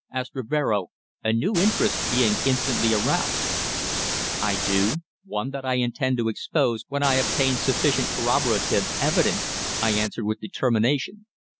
asked Rivero, a new interest being instantly aroused. "I do one that I intend to expose when I obtain sufficient corroborative evidence," I answered with determination.